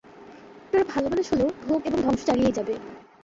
তারা ভালো মানুষ হলেও, ভোগ এবং ধ্বংস চালিয়েই যাবে।